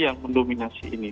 yang mendominasi ini